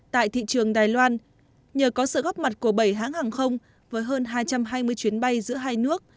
tại thị trường đài loan nhờ có sự góp mặt của bảy hãng hàng không với hơn hai trăm hai mươi chuyến bay giữa hai nước